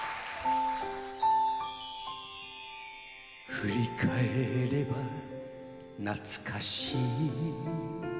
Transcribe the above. ふり返ればなつかしい